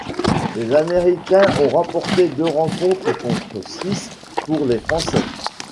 Les Américains ont remporté deux rencontres contre six pour les Français.